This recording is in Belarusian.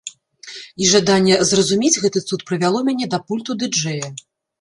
І жаданне зразумець гэты цуд прывяло мяне да пульту ды-джэя.